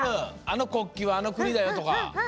あの国旗はあの国だよとか。